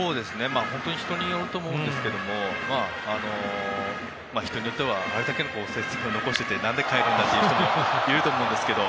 人によると思うんですけど人によってはあれだけの成績を残して何で変えるんだという人もいると思うんですけど。